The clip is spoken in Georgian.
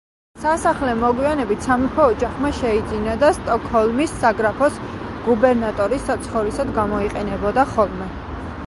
სასახლე მოგვიანებით სამეფო ოჯახმა შეიძინა და სტოკჰოლმის საგრაფოს გუბერნატორის საცხოვრისად გამოიყენებოდა ხოლმე.